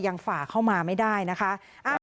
ฝ่าเข้ามาไม่ได้นะคะ